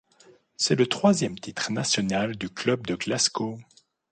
C’est le troisième titre national du club de Glasgow.